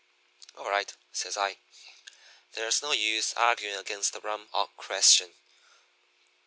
"'All right,' says I. 'There's no use arguing against the rum question.